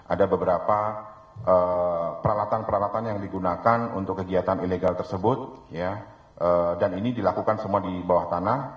ada beberapa peralatan peralatan yang digunakan untuk kegiatan ilegal tersebut dan ini dilakukan semua di bawah tanah